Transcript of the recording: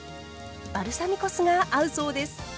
バルサミコ酢が合うそうです。